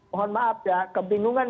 mohon maaf ya kebingungan